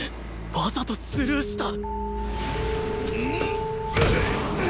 わざとスルーした！